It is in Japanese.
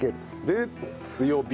で強火。